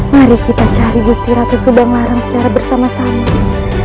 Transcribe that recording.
mari kita cari gustiratu subang larang secara bersama sama